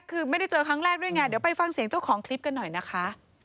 คือไม่ได้เจอครั้งแรกด้วยไงเดี๋ยวไปฟังเสียงเจ้าของคลิปกันหน่อยนะคะ